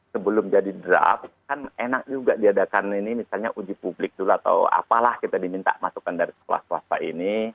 sebelum jadi draft kan enak juga diadakan ini misalnya uji publik dulu atau apalah kita diminta masukan dari sekolah swasta ini